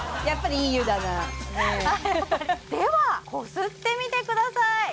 やっぱりいい湯だなねではこすってみてください